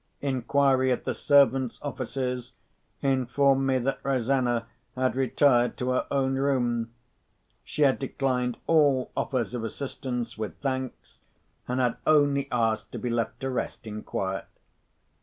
Inquiry at the servants' offices informed me that Rosanna had retired to her own room. She had declined all offers of assistance with thanks, and had only asked to be left to rest in quiet.